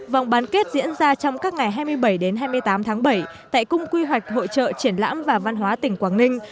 vòng bán kết diễn ra trong các ngày hai mươi bảy hai mươi tám tháng bảy tại cung quy hoạch hội trợ triển lãm và văn hóa tỉnh quảng ninh